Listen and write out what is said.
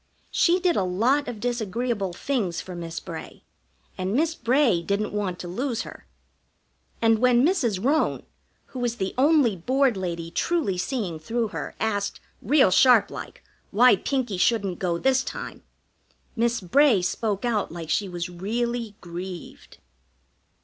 She did a lot of disagreeable things for Miss Bray, and Miss Bray didn't want to lose her. And when Mrs. Roane, who is the only Board lady truly seeing through her, asked, real sharplike, why Pinkie shouldn't go this time, Miss Bray spoke out like she was really grieved.